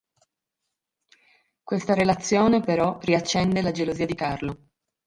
Questa relazione però riaccende la gelosia di Carlo.